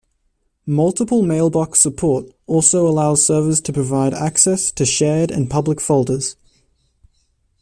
Multiple mailbox support also allows servers to provide access to shared and public folders.